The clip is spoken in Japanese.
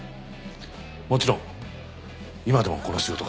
もちろん今でもこの仕事が好きだ。